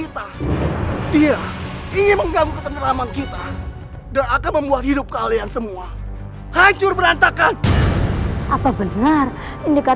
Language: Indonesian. tidak kamu tidak perlu menyerahkan mereka